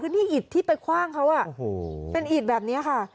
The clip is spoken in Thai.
คือนี่อิดที่ไปคว่างเขาเป็นอิดแบบนี้ค่ะ